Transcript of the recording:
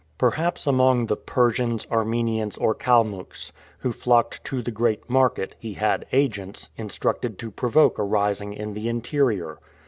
Perhaps among the Persians, Armenians, or Kalmucks, who flocked to the great market, he had agents, instructed to provoke a rising in the interior.